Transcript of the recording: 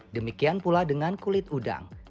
demikian pula dengan kulit udang